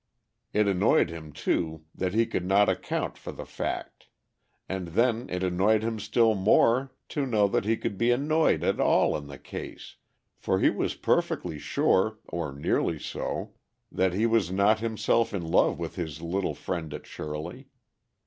It annoyed him too that he could not account for the fact; and then it annoyed him still more to know that he could be annoyed at all in the case, for he was perfectly sure or nearly so that he was not himself in love with his little friend at Shirley.